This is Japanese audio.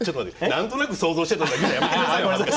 何となく想像してたとか言うのやめてくださいよ。